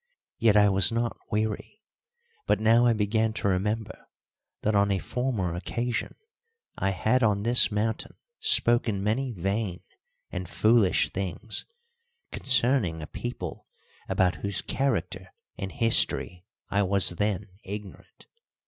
Yet I was not weary, but now I began to remember that on a former occasion I had on this mountain spoken many vain and foolish things concerning a people about whose character and history I was then ignorant.